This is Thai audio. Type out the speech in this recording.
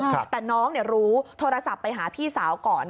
พี่สาวแต่น้องรู้โทรศัพท์ไปหาพี่สาวก่อน